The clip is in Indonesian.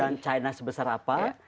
dan china sebesar apa